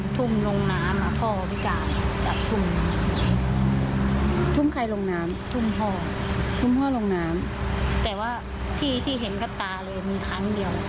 ทุ่มพ่อลงน้ำแต่ว่าที่ที่เห็นครับตาเลยมีครั้งเดียว